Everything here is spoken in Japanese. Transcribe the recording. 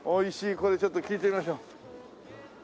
これちょっと聞いてみましょう。